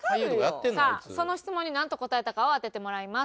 さあその質問になんと答えたかを当ててもらいます。